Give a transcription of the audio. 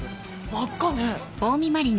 真っ赤ね。